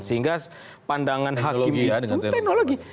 sehingga pandangan hakim itu teknologi